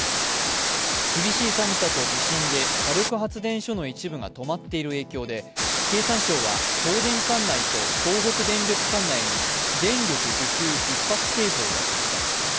厳しい寒さと地震で火力発電所の一部が止まっている影響で経産省は、東京電力管内と東北電力管内に電力需給ひっ迫警報を出しました。